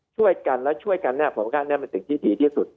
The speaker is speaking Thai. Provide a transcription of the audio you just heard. ช่วยกันและช่วยกันผมว่าการนั้นเป็นสิ่งที่ดีที่สุด